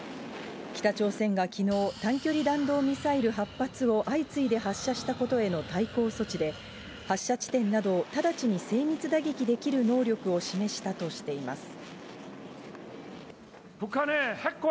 北朝鮮がきのう、短距離弾道ミサイル８発を相次いで発射したことへの対抗措置で、発射地点などを直ちに精密打撃できる能力を示したとしています。